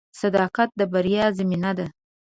• صداقت د بریا زینه ده.